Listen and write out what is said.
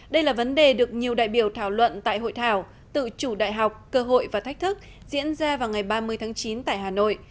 đây là vấn đề được nhiều đại biểu thảo luận tại hội thảo tự chủ đại học cơ hội và thách thức diễn ra vào ngày ba mươi tháng chín tại hà nội